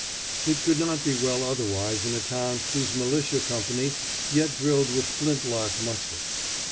It could not be well otherwise in a town whose militia company yet drilled with flint lock muskets.